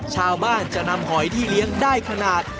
ชาวบ้านจะนำหอยที่เลี้ยงได้ขนาด